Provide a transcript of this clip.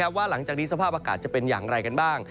ว่าหลังจากนี้สภาพอากาศจะเป็นอย่างไรกันบ้าง